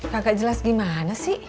kagak jelas gimana sih